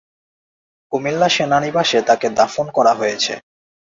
কুমিল্লা সেনানিবাসে তাকে দাফন করা হয়েছে।